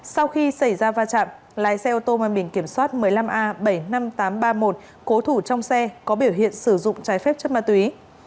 sau khi xảy ra va chạm lái xe ô tô mà mình kiểm soát một mươi năm a bảy mươi năm nghìn tám trăm ba mươi một cố thủ trong xe có biểu hiện sử dụng trái phép chất ma túy